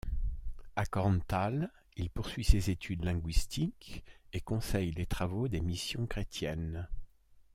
À Korntal, il poursuit ses études linguistiques et conseille les travaux des missions chrétiennes.